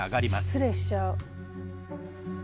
失礼しちゃう。